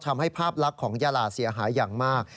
ภาพลักษณ์ของยาลาเสียหายอย่างมาก